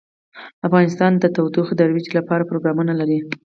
افغانستان د تودوخه د ترویج لپاره پروګرامونه لري.